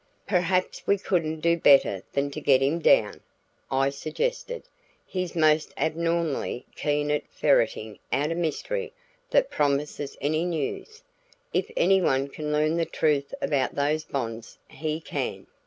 "Perhaps we couldn't do better than to get him down," I suggested; "he's most abnormally keen at ferreting out a mystery that promises any news if any one can learn the truth about those bonds, he can."